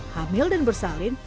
hamil dan bersalin